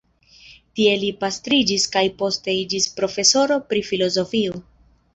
Tie li pastriĝis kaj poste iĝis profesoro pri filozofio.